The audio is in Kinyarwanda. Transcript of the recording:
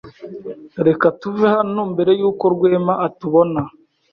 Reka tuve hano mbere yuko Rwema atubona.